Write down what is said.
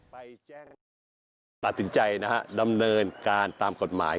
จึงตัดสินใจนะฮะดำเนินการตามกฎหมาย